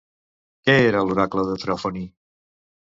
Què era l'oracle de Trofoni?